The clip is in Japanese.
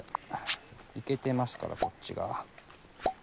イケてますからこっちが。